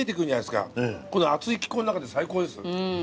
この暑い気候の中で最高です。